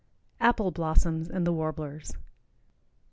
APPLE BLOSSOMS AND THE WARBLERS.